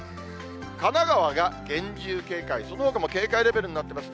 神奈川が厳重警戒、そのほかも警戒レベルになってます。